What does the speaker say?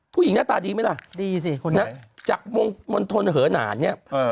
ผู้หญิงหน้าตาดีไหมล่ะดีสิคนไหนนะจากมงมนธนเหนานเนี้ยเออ